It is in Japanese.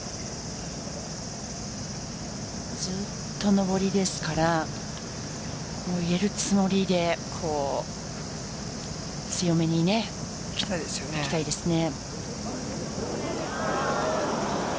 ずっと上りですから入れるつもりで強めにいきたいですね。